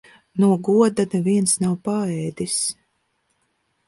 No goda neviens nav paēdis.